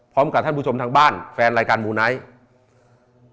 พร้อมกับท่านผู้ชมทางบ้านแฟนรายการมูไนท์